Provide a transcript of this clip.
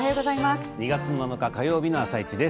２月７日火曜日の「あさイチ」です。